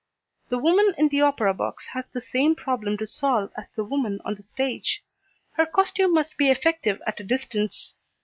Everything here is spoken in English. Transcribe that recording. The woman in the opera box has the same problem to solve as the woman on the stage: her costume must be effective at a distance.